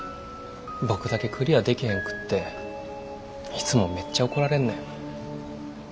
僕だけクリアでけへんくっていつもめっちゃ怒られんねん。